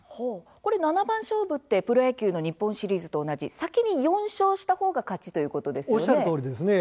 七番勝負ってプロ野球の日本シリーズと同じ先に４勝したほうが勝ちということですね。